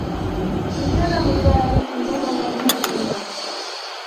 Бизде да мындай менен алектенген балдардын топтору бар.